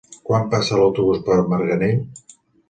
Quan passa l'autobús per Marganell?